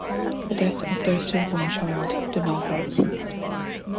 The death of their stillborn child did not help.